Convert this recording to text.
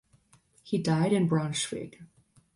He died in Braunschweig.